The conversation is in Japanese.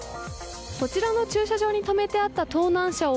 こちらの駐車場に止めてあった盗難車を